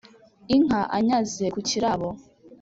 inka anyaze ku cyirabo,